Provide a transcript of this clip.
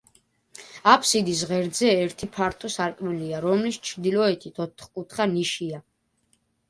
აფსიდის ღერძზე ერთი ფართო სარკმელია, რომლის ჩრდილოეთით ოთხკუთხა ნიშია.